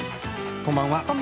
こんばんは。